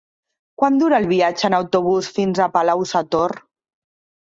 Quant dura el viatge en autobús fins a Palau-sator?